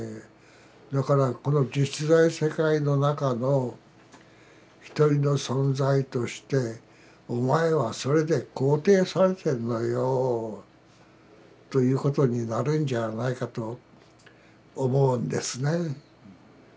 だからこの実在世界の中の一人の存在としてお前はそれで肯定されてるのよということになるんじゃないかと思うんですね。